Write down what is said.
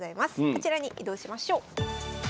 あちらに移動しましょう。